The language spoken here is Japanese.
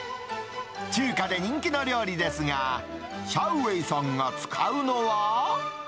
中華で人気の料理ですが、シャウ・ウェイさんが使うのは。